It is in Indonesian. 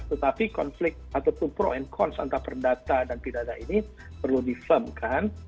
tetapi konflik antar perdata dan kempidana ini perlu diselamkan